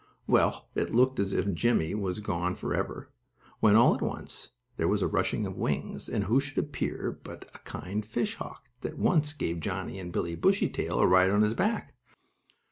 Well, it looked as if Jimmie was gone for ever, when, all at once, there was a rushing of wings, and who should appear, but a kind fish hawk, that once gave Johnnie and Billie Bushytail a ride on his back.